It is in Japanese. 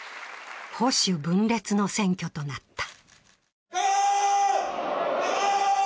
保守分裂の選挙となった。